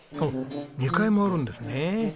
２階もあるんですね。